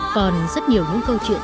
còn rất nhiều những câu chuyện